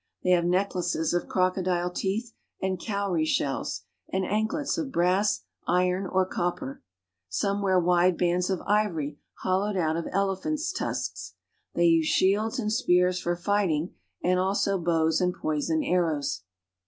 They have necklaces of crocodile teeth and cowrie shells, and anklets of brass, iron, or copper; some wear wide bands of ivory hollowed out of elephants' tusks. use shields and spears for fighting, and also bows id poisoned arrows.